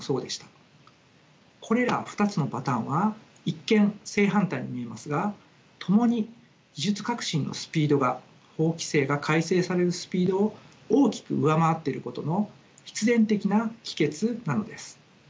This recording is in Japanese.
これら２つのパターンは一見正反対に見えますがともに技術革新のスピードが法規制が改正されるスピードを大きく上回っていることの必然的な帰結なのです。